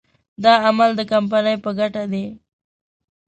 دا عمل د کمپنۍ په ګټه دی.